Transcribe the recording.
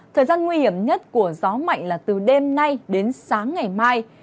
thời gian nguy hiểm nhất của gió mạnh là từ đêm nay đến sáng ngày mai